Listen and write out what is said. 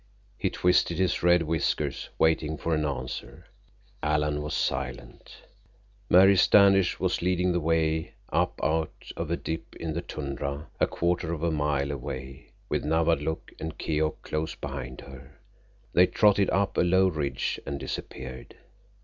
He twisted his red whiskers, waiting for an answer. Alan was silent. Mary Standish was leading the way up out of a dip in the tundra a quarter of a mile away, with Nawadlook and Keok close behind her. They trotted up a low ridge and disappeared.